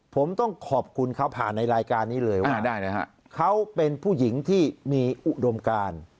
ผมต้องขอบคุณเขาผ่านในรายการนี้เลยว่าเขาเป็นผู้หญิงที่มีอุดมการ